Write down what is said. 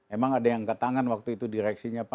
emang ada yang ketangan waktu itu direksinya pak